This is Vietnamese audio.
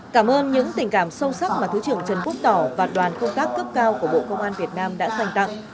cảm ơn những tình cảm sâu sắc mà thứ trưởng trần quốc tỏ và đoàn công tác cấp cao của bộ công an việt nam đã dành tặng